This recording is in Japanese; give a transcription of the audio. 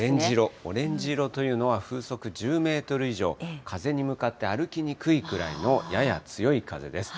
オレンジ色というのは、風速１０メートル以上、風に向かって歩きにくいくらいのやや強い風です。